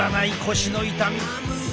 腰の痛み。